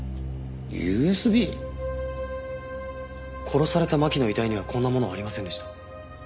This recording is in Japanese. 殺された巻の遺体にはこんなものはありませんでした。